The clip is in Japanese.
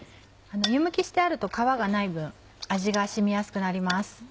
湯むきしてあると皮がない分味が染みやすくなります。